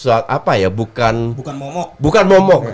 apa ya bukan